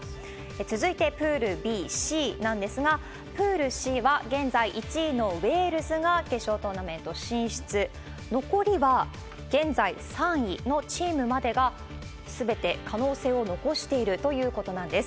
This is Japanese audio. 続いてプールＢ、Ｃなんですが、プールＣは、現在１位のウェールズが決勝トーナメント進出、残りは現在３位のチームまでがすべて可能性を残しているということなんです。